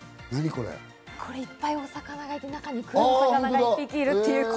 いっぱいお魚がいる中に黒い魚が１匹いるという。